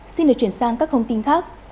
xin được chuyển sang các thông tin khác